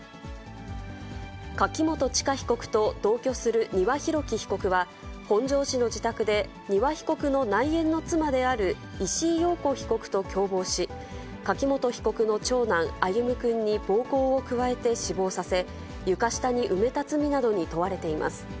柿本知香被告と同居する丹羽洋樹被告は、本庄市の自宅で丹羽被告の内縁の妻である石井陽子被告と共謀し、柿本被告の長男、歩夢くんに暴行を加えて死亡させ、床下に埋めた罪などに問われています。